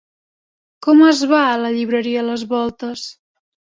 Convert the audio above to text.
Com es va a la llibreria les Voltes?